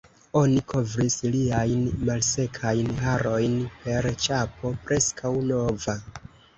Oni kovris liajn malsekajn harojn per ĉapo preskaŭ nova.